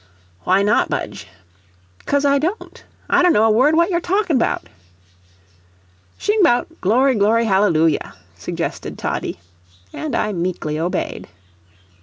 "Why not, Budge?" "Cos I don't. I don't know a word what you're talking 'bout." "Shing 'bout 'Glory, glory, hallelulyah,'" suggested Toddie, and I meekly obeyed.